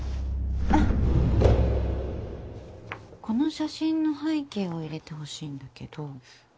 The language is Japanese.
この写真の背景を入れてほしいんだけど。